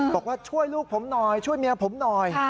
บอกว่าช่วยลูกผมหน่อยช่วยเมียผมหน่อย